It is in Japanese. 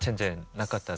なかった？